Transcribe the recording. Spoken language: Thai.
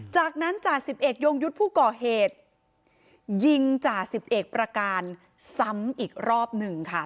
จากนั้นจ่าสิบเอกยงยุทธ์ผู้ก่อเหตุยิงจ่าสิบเอกประการซ้ำอีกรอบหนึ่งค่ะ